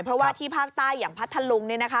เพราะว่าที่ภาคใต้อย่างพัทธลุงเนี่ยนะคะ